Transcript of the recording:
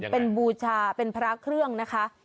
เป็นบูชาเป็นพระเครื่องนะคะ